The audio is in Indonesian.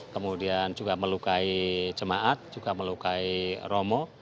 kemudian juga melukai jemaat juga melukai romo